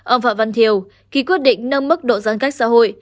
ông phạm văn thiều khi quyết định nâng mức độ giãn cách xã hội